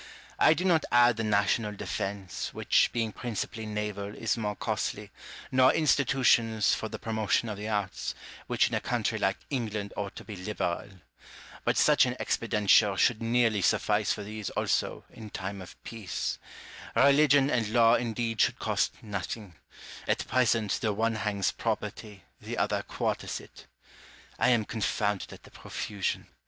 I do not add the national defence, which being principally naval is more costly, nor institutions for the promotion of the arts, which in a country like England ought to be liberal. But such an expenditure should nearly suffice for these also, in time of peace. Religion and law in deed should cost nothing : at present the one hangs property, the other quarters it. I am confounded at the profusion.